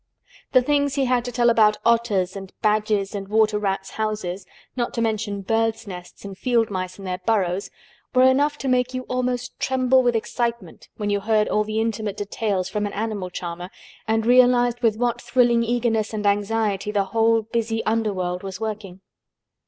The things he had to tell about otters' and badgers' and water rats' houses, not to mention birds' nests and field mice and their burrows, were enough to make you almost tremble with excitement when you heard all the intimate details from an animal charmer and realized with what thrilling eagerness and anxiety the whole busy underworld was working.